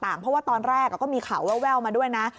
เพราะว่าตอนแรกก็มีข่าวแววมาด้วยนะ